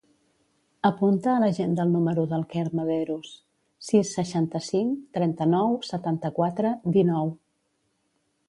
Apunta a l'agenda el número del Quer Mederos: sis, seixanta-cinc, trenta-nou, setanta-quatre, dinou.